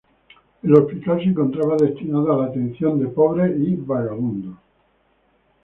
El hospital se encontraba destinado a la atención de pobres y vagabundos.